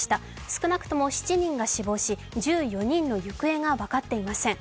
少なくとも７人が死亡し、１４人の行方が分かっていません。